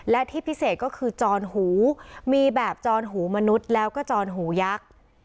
และที่พิเศษก็คือจรหูมีแบบจรหูมนุษย์แล้วก็จอนหูยักษ์